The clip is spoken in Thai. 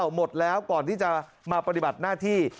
หมดแล้วก่อนที่จะมาปฏิบัติหน้าที่